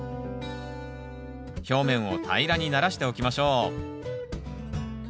表面を平らにならしておきましょう。